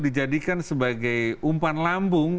dijadikan sebagai umpan lambung